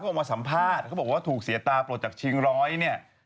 ออกมาสัมภาษณ์เขาบอกว่าถูกเสียตาปลดจากเชียงร้อยเนี่ย